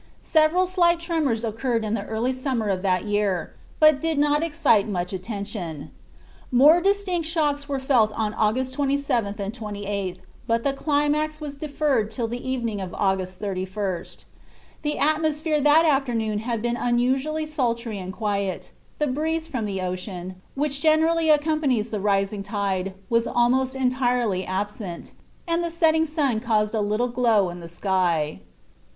Several slight tremors occurred in the early summer of that year, but did not excite much attention. More distinct shocks were felt on August 27th and 28th, but the climax was deferred till the evening of August 31st. The atmosphere that afternoon had been unusually sultry and quiet, the breeze from the ocean, which generally accompanies the rising tide, was almost entirely absent, and the setting sun caused a little glow in the sky.